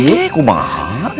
eh kok mahal